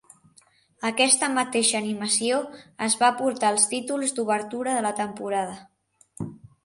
Aquesta mateixa animació es va portar als títols d'obertura de la temporada.